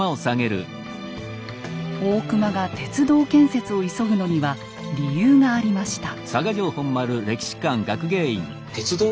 大隈が鉄道建設を急ぐのには理由がありました。